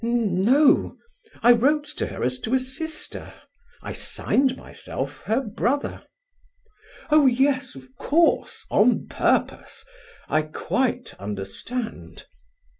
"N no! I wrote to her as to a sister; I signed myself her brother." "Oh yes, of course, on purpose! I quite understand."